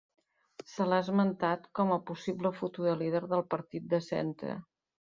Se l'ha esmentat com a possible futura líder del Partit de Centre.